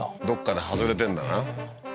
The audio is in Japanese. どっかで外れてんだな